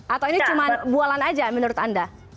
atau ini cuma bualan aja menurut anda